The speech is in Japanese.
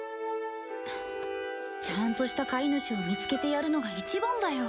ちゃんとした飼い主を見つけてやるのが一番だよ。